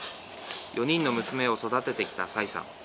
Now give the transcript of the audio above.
４人の娘を育ててきた蔡さん。